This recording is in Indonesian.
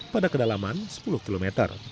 pada kedalaman sepuluh km